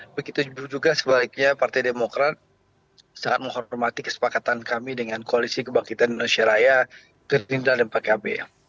begitu juga sebaliknya partai demokrat sangat menghormati kesepakatan kami dengan koalisi kebangkitan indonesia raya gerindra dan pkb